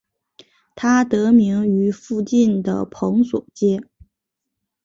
它得名于附近的蓬索街。